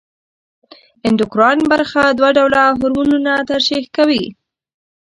اندوکراین برخه دوه ډوله هورمونونه ترشح کوي.